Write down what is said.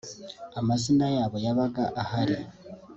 amazina yabo yabaga ahari